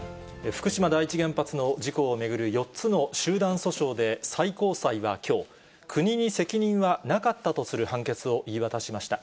福島第一原発の事故を巡る４つの集団訴訟で、最高裁はきょう、国に責任はなかったとする判決を言い渡しました。